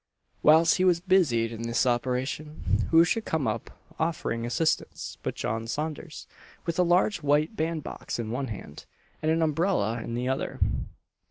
Whilst he was busied in this operation, who should come up offering assistance but John Saunders, with a large white band box in one hand, and an umbrella in the other.